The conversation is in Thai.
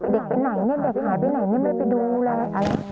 เด็กเป็นไหนเนี่ยเด็กหาไปไหนเนี่ยไม่ได้ไปดูอะไรแบบนี้